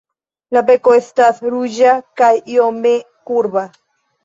La beko estas ruĝa kaj iome kurba.